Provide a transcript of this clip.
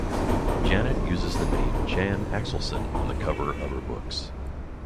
Janet uses the name Jan Axelson on the cover of her books.